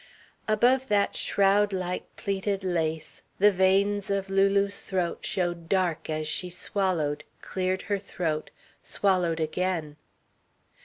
Above that shroud like plaited lace, the veins of Lulu's throat showed dark as she swallowed, cleared her throat, swallowed again.